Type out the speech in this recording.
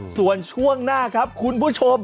ส่วนช่วงหน้าครับคุณผู้ชม